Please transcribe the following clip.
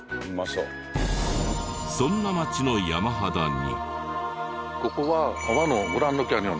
そんな町の山肌に。